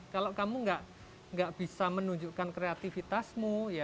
kalau kamu tidak bisa menunjukkan kreatifitasmu